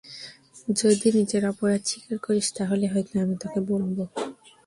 যদি নিজের অপরাধ স্বীকার করিস, তাহলে হয়তো আমি তোকে বলব।